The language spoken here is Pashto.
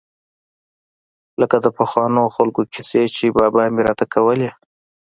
لکه د پخوانو خلقو کيسې چې بابا مې راته کولې.